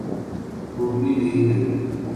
مبنی نہیں ہے۔